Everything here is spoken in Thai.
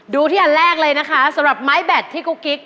ดูที่อันแรกเลยนะคะสำหรับไม้แบตที่กุ๊กกิ๊ก